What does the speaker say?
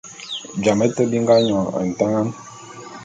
Jame te bi nga nyône ntangan.